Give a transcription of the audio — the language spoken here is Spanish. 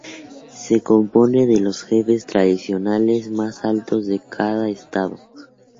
Se compone de los jefes tradicionales más altos de cada estado.